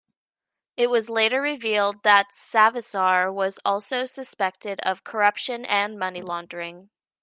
It was later revealed that Savisaar was also suspected of corruption and money laundering.